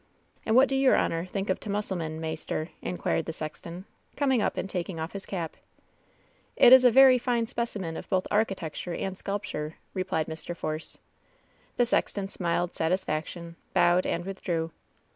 "And what do your honor thiiJc o' t' musselman, maister ?" inquired the sexton^ coming up and taking off kis cap. «82 LOVE'S BITTEREST CUP '^It is a very fine specimen of both architecture and sculpture/^ replied Mr. Force. The sexton smiled satisfaction, bowed and withdrew.